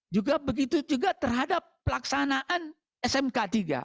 juga begitu juga terhadap pelaksanaan smk tiga